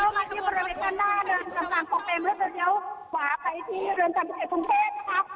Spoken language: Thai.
คุณเทศิษย์เข้ามาที่บริเวณหน้าเนินสำหรับปกเต็มเลือดเป็นเดียวหวาไปที่เรือนจำเป็นพรุ่งเทศนะคะ